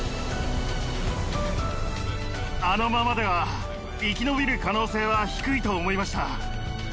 あのままでは生き延びる可能性は低いと思いました。